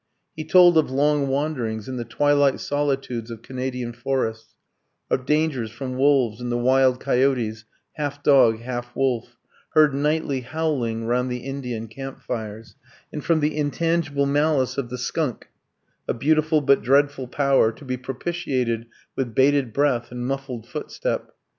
He told of long wanderings in the twilight solitudes of Canadian forests; of dangers from wolves and the wild coyotes, half dog, half wolf, heard nightly howling round the Indian camp fires; and from the intangible malice of the skunk, a beautiful but dreadful power, to be propitiated with bated breath and muffled footstep.